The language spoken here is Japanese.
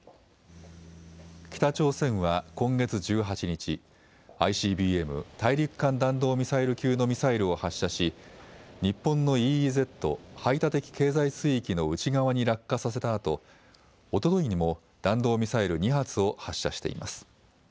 北朝鮮は今月１８日、ＩＣＢＭ・大陸間弾道ミサイル級のミサイルを発射し日本のＥＥＺ・排他的経済水域の内側に落下させたあとおとといにも弾道ミサイル２発を発射しています。